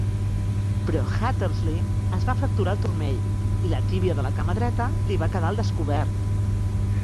Però Hattersley es va fracturar el turmell i la tíbia de la cama dreta li va quedar al descobert.